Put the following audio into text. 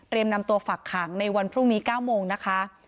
นำตัวฝักขังในวันพรุ่งนี้๙โมงนะคะ